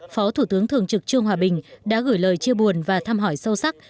phó thủ tướng thường trực trương hòa bình đã gửi lời chia buồn và thăm hỏi sâu sắc